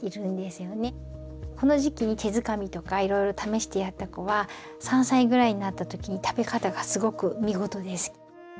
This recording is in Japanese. この時期に手づかみとかいろいろ試してやった子は３歳ぐらいになったときに食べ方がすごく見事です。